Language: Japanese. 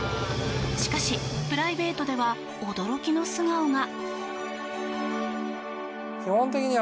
しかし、プライベートでは驚きの素顔が。